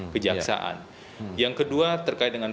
kejaksaan yang kedua terkait dengan